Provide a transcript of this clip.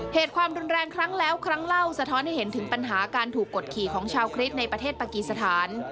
เหตุความรุนแรงครั้งแล้วครั้งเล่าสะท้อนให้เห็นถึงปัญหาการถูกกดขี่ของชาวคริสต์ในประเทศปากีสถาน